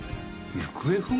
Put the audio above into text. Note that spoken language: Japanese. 行方不明？